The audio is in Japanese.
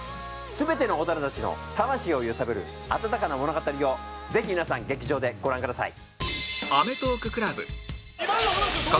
全ての大人たちの魂を揺さぶる温かな物語をぜひ皆さん劇場でご覧ください。